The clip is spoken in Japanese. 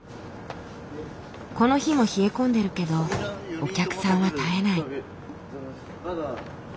この日も冷え込んでるけどお客さんは絶えない。